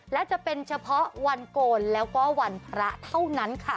และจะเป็นเฉพาะวันโกนแล้วก็วันพระเท่านั้นค่ะ